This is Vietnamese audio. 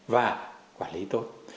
và quản lý tốt